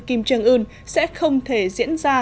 kim trương ưn sẽ không thể diễn ra